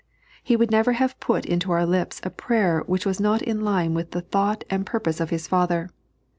He would never have put into our lips a prayer which was not in line with the thought and purpose of His Father.